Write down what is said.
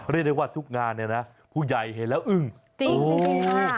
เรียกได้ว่าทุกงานเนี่ยนะผู้ใหญ่เห็นแล้วอึ้งจริงโอ้ย